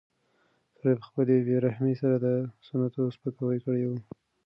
سړي په خپلې بې رحمۍ سره د سنتو سپکاوی کړی و.